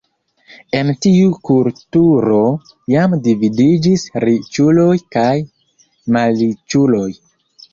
En tiu kulturo jam dividiĝis riĉuloj kaj malriĉuloj.